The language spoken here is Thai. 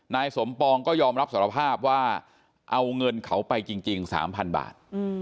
นายสมปองก็ยอมรับสารภาพว่าเอาเงินเขาไปจริง๓๐๐บาท